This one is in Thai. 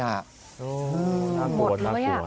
หมดเลย